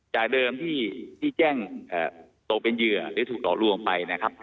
จากเดิมที่แจ้งตกเป็นเหยื่อหรือถูกหลอกลวงไปนะครับ